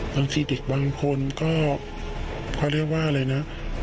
บางทีเด็กบางคนก็เขาเรียกว่าอะไรนะ